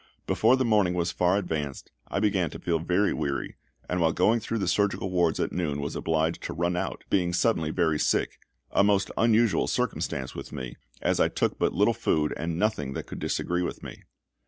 Before the morning was far advanced I began to feel very weary, and while going through the surgical wards at noon was obliged to run out, being suddenly very sick a most unusual circumstance with me, as I took but little food and nothing that could disagree with me.